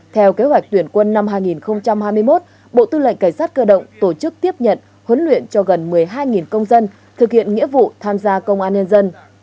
theo kế hoạch tuyển quân năm hai nghìn hai mươi một bộ tư lệnh cảnh sát cơ động tổ chức tiếp nhận huấn luyện cho gần một mươi hai công dân thực hiện nghĩa vụ tham gia công an nhân dân